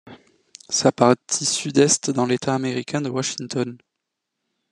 Sa partie sud est dans l'État américain de Washington.